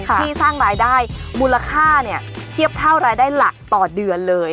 ที่สร้างรายได้มูลค่าเทียบเท่ารายได้หลักต่อเดือนเลย